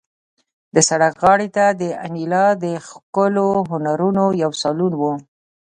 د سړک غاړې ته د انیلا د ښکلو هنرونو یو سالون و